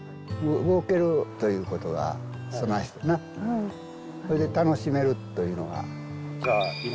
動けるということがそないして楽しめるというのが。